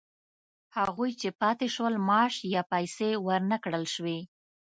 هغوی چې پاتې شول معاش یا پیسې ورنه کړل شوې